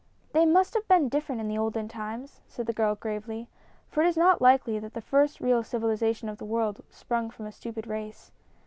"They must have been different in the olden times," said the girl, gravely; "for it is not likely that the first real civilization of the world sprang from a stupid race.